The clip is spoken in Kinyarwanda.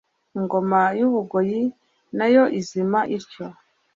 Ingoma y'u Bugoyi nayo izima ityo.